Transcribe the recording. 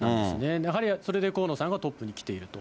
やはりそれで河野さんがトップに来ていると。